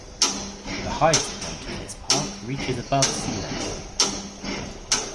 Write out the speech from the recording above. The highest point of this park reaches above sea level.